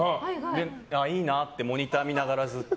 あ、いいなってモニター見ながらずっと。